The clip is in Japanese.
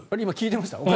今、聞いてました？